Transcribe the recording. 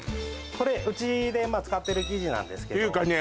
これうちで使ってる生地なんですけどっていうかね